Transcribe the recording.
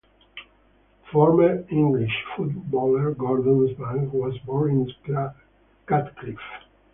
Former English footballer Gordon Banks was born in Catcliffe.